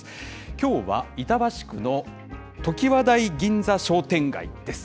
きょうは、板橋区の常盤台銀座商店街です。